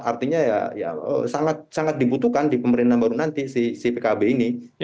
artinya ya sangat sangat dibutuhkan di pemerintahan baru nanti si pkb ini